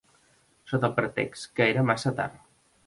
Sota pretext que era massa tard.